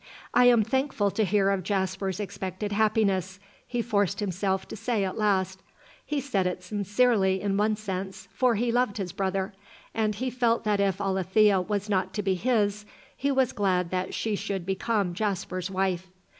"I am thankful to hear of Jasper's expected happiness," he forced himself to say at last. He said it sincerely in one sense, for he loved his brother, and he felt that if Alethea was not to be his, he was glad that she should become Jasper's wife.